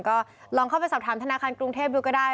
ก็ลองเข้าไปสอบถามธนาคารกรุงเทพดูก็ได้